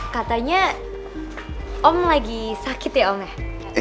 katanya om lagi sakit ya om ya